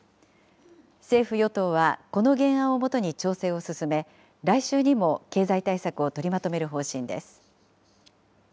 政府・与党はこの原案をもとに調整を進め、来週にも経済対策を取りまとめる方針です。